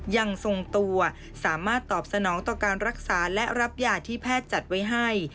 ยังทรงตัวสามารถตอบสนองต่อการรักษาและรับยาที่แพทย์จัดไว้ให้